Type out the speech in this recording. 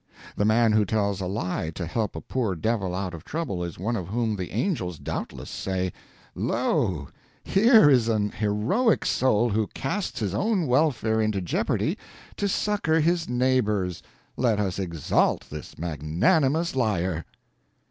The man who tells a lie to help a poor devil out of trouble is one of whom the angels doubtless say, "Lo, here is an heroic soul who casts his own welfare into jeopardy to succor his neighbor's; let us exalt this magnanimous liar."